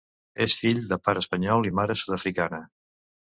És fill de pare espanyol i mare sud-africana.